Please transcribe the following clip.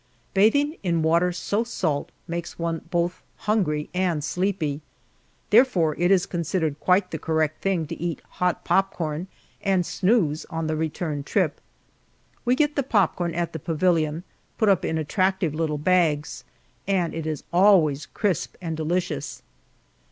Bathing in water so salt makes one both hungry and sleepy, therefore it is considered quite the correct thing to eat hot popcorn, and snooze on the return trip. We get the popcorn at the pavilion, put up in attractive little bags, and it is always crisp and delicious.